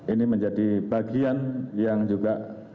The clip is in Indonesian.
ini menjadi bagian yang juga